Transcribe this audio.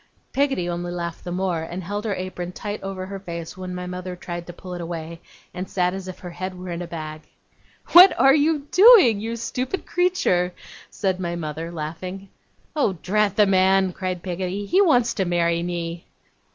Peggotty only laughed the more, and held her apron tight over her face when my mother tried to pull it away, and sat as if her head were in a bag. 'What are you doing, you stupid creature?' said my mother, laughing. 'Oh, drat the man!' cried Peggotty. 'He wants to marry me.